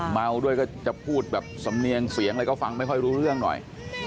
เมาด้วยก็จะพูดแบบสำเนียงเสียงอะไรก็ฟังไม่ค่อยรู้เรื่องหน่อย